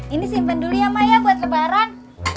ini simpen dulu ya busyised